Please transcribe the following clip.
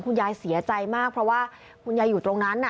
คุณยายเสียใจมากเพราะว่าคุณยายอยู่ตรงนั้น